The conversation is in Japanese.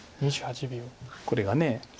これが。